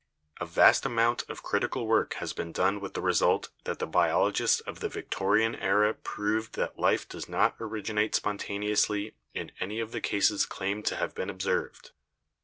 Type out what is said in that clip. A vast amount of critical work has been done with the result that the biologists of the Victorian era proved that life does not originate spontaneously in any of the cases claimed to have been observed.